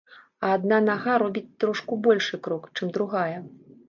А адна нага робіць трошку большы крок, чым другая.